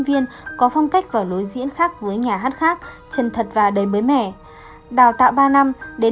viên có phong cách và lối diễn khác với nhà hát khác chân thật và đầy mới mẻ đào tạo ba năm đến